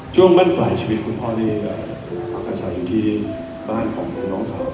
ช่วงวันปลายชีวิตคุณพ่อที่พระอาคัญศาจอยู่ที่บ้านของคุณน้องสาม